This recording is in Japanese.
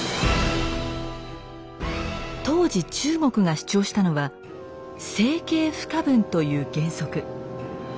当時中国が主張したのは「政経不可分」という原則。